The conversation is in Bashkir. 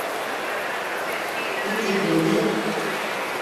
- Ул тиклемде...